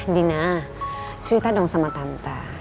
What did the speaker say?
dina cerita dong sama tante